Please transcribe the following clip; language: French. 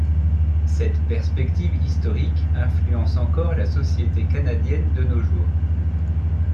Cette perspective historique influence encore la société canadienne de nos jours.